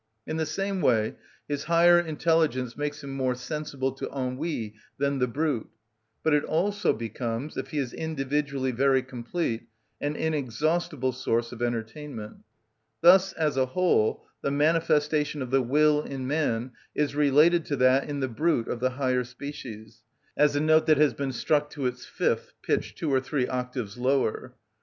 In the same way his higher intelligence makes him more sensible to ennui than the brute; but it also becomes, if he is individually very complete, an inexhaustible source of entertainment. Thus, as a whole, the manifestation of the will in man is related to that in the brute of the higher species, as a note that has been struck to its fifth pitched two or three octaves lower.